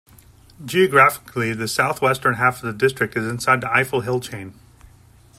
Geographically, the south-western half of the district is inside the Eifel hill chain.